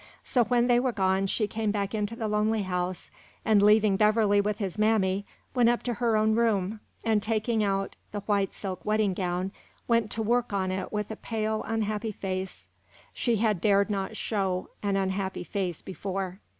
So, when they were gone, she came back into the lonely house, and, leaving Beverley with his mammy, went up to her own room, and taking out the white silk wedding gown went to work on it with a pale, unhappy face; she had dared not show an unhappy face before.